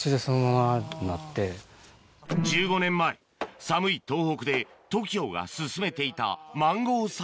１５年前寒い東北でＴＯＫＩＯが進めていたマンゴー栽培